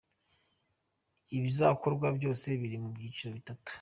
Ibizakorwa byose biri mu byiciro bitatu.